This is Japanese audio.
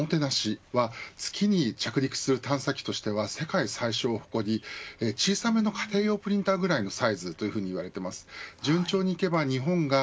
このオモテナシは月に着陸する探査機としては世界最小を誇り小さめの家庭用プリンタくらいのサイズといわれています。